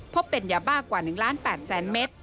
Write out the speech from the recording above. พบเป็นยาบ้ากว่า๑ล้าน๘แสนเมตร